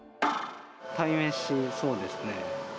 鯛めし、そうですね。